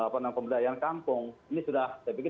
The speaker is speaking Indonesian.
pembedaian kampung ini sudah saya pikir